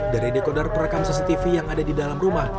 dari dekoder perekam cctv yang ada di dalam rumah